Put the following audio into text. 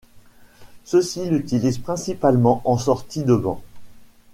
Ceux-ci l'utilisent principalement en sortie de banc.